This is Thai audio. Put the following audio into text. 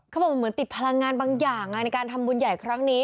เขาบอกเหมือนติดพลังงานบางอย่างในการทำบุญใหญ่ครั้งนี้